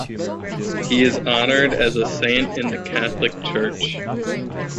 He is honoured as a saint in the Catholic Church.